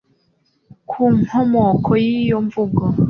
ku nkomoko y'iyo mvugo.